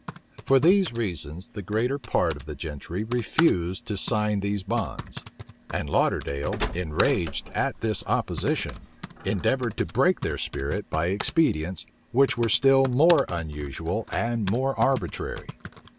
For these reasons, the greater part of the gentry refused to sign these bonds; and Lauderdale, enraged at this opposition, endeavored to break their spirit by expedients which were still more unusual and more arbitrary.